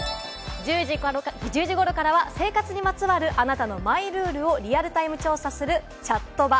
そして１０時頃からは、生活にまつわるあなたのマイルールをリアルタイム調査する「チャットバ」。